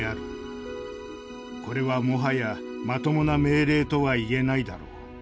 これはもはやまともな命令とはいえないだろう。